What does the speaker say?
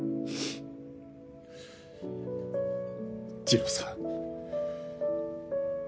二郎さん。